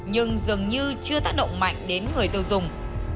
nhưng dường như chưa tác động mạnh đến người tiêu dùng